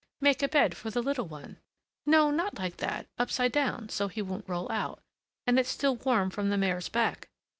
"Make a bed for the little one: no, not like that; upside down, so he won't roll out; and it's still warm from the mare's back.